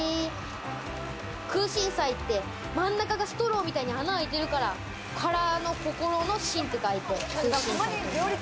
空芯菜って真ん中がストローみたいに穴開いてるから、空の心の芯って書いて、空芯菜。